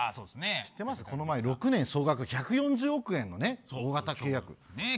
知ってます、この前６年総額１４０億円の大型契約。